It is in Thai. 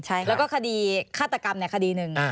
แล้วก็คดีฆาตกรรมคดีหนึ่ง